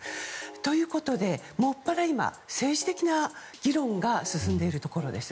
ということで、もっぱら今政治的な議論が進んでいるところです。